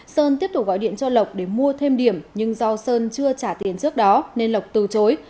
sơn tiếp tục gọi điện cho lộc để mua thêm điểm nhưng do sơn chưa trả tiền trước đó nên lộc từ chối